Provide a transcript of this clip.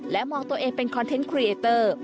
มองตัวเองเป็นคอนเทนต์ครีเอเตอร์